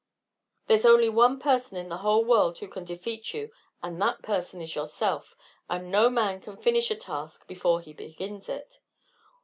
"There's only one person in the whole world who can defeat you, and that person is yourself; and no man can finish a task before he begins it.